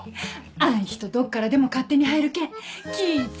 あん人どっからでも勝手に入るけん気ぃ付けれよ。